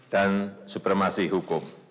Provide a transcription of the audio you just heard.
dan supremasi hukum